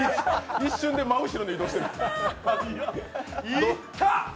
一瞬で真後ろに移動してる。